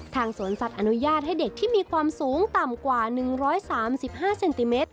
สวนสัตว์อนุญาตให้เด็กที่มีความสูงต่ำกว่า๑๓๕เซนติเมตร